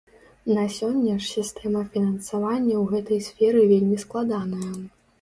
На сёння ж сістэма фінансавання ў гэтай сферы вельмі складаная.